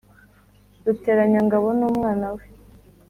Ruteranyangabo n'umwana we